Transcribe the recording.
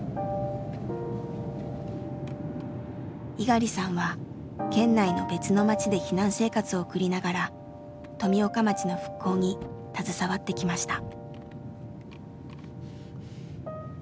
猪狩さんは県内の別の町で避難生活を送りながら富岡町の復興に携わってきました。